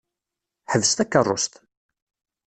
Ḥbes takeṛṛust!